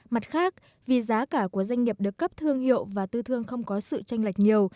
mặt khác vì giá cả của doanh nghiệp được cấp thương hiệu và tư thương không có sự tranh lệch nhiều